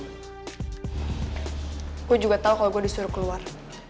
gue juga tau kalo gue disuruh keluar